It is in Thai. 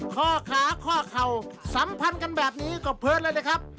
ข้อขาข้อเข่าสัมพันธ์กันแบบนี้ก็เพิร์ตแล้วเลยครับ